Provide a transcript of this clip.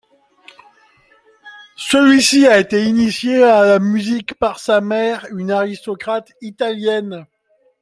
Celui-ci a été initié à la musique par sa mère, une aristocrate italienne.